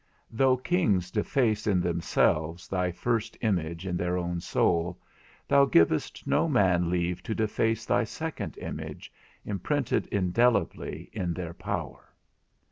Though kings deface in themselves thy first image in their own soul, thou givest no man leave to deface thy second image, imprinted indelibly in their power.